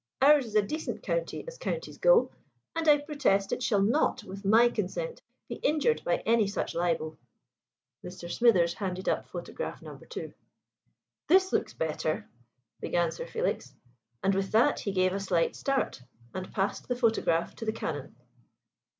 Ours is a decent county, as counties go, and I protest it shall not, with my consent, be injured by any such libel." Mr. Smithers handed up photograph No. 2. "This looks better," began Sir Felix; and with that he gave a slight start, and passed the photograph to the Canon.